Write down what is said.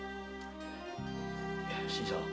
新さん